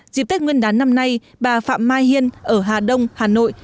dịp tết nguyên đán năm nay bà phạm mai hiên ở hà đông hà nội